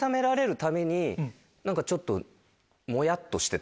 何かちょっと。